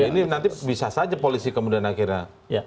ini nanti bisa saja polisi kemudian akhirnya